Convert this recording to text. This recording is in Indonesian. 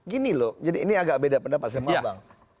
gini loh jadi ini agak beda pendapat sama abang